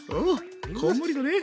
こんもりだね。